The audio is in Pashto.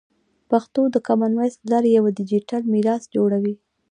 پښتو د کامن وایس له لارې یوه ډیجیټل میراث جوړوي.